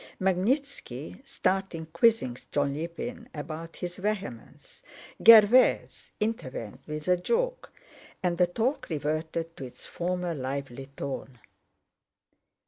Magnítski starting quizzing Stolýpin about his vehemence. Gervais intervened with a joke, and the talk reverted to its former lively tone.